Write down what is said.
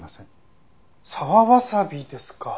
沢わさびですか。